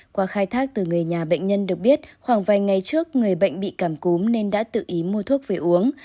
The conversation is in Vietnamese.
qua khai thác từ người nhà bệnh nhân được biết khoảng vài ngày trước người bệnh bị cảm cúm nên đã tự ý mua thuốc về uống